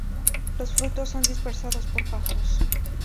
Los frutos son dispersados por pájaros.